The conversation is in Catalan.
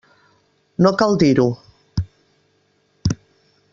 No cal dir-ho.